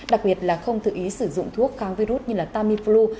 đặc biệt là không thử ý sử dụng thuốc kháng virus như là tamiflu